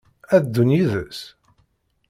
Ad ddun yid-s?